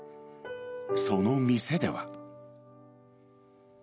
その店では。